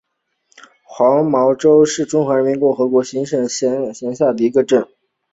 黄茅洲镇是中华人民共和国湖南省沅江市下辖的一个镇。